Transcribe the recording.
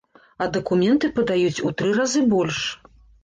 А дакументы падаюць у тры разы больш!